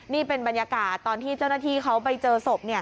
นี่เป็นบรรยากาศตอนที่เจ้าหน้าที่เขาไปเจอศพ